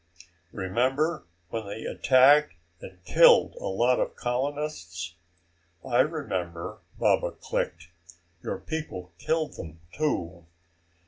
"Remember when they attacked and killed a lot of colonists?" "I remember," Baba clicked. "Your people killed them, too.